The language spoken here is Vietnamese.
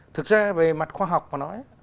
thực ra về mặt khoa học mà nói